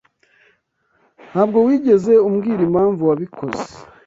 Ntabwo wigeze umbwira impamvu wabikoze.